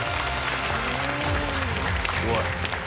すごい。